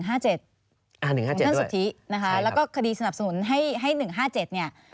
อ่า๑๕๗ด้วยใช่ครับคุณท่านสุธิแล้วก็คดีสนับสนุนให้๑๕๗เนี่ย